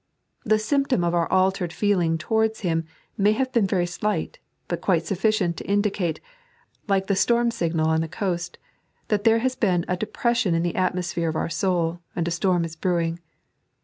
The symptom of our altered feeling towards him may have been very slight, but quite sufficient to indicate, like the storm dgnal on the coast, that there has been a depression in the atmosphere of our soul, and a storm is brewing.